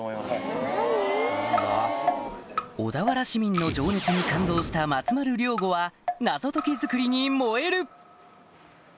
小田原市民の情熱に感動した松丸亮吾はナゾ解き作りに燃える！